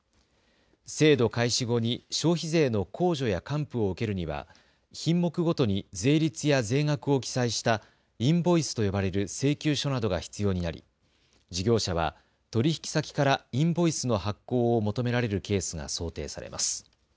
制度開始後に消費税の控除や還付を受けるには品目ごとに税率や税額を記載したインボイスと呼ばれる請求書などが必要になり事業者は取引先からインボイスの発行を求められるケースが想定されます。